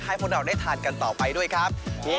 ให้พวกเราได้ทานกันต่อไปด้วยครับ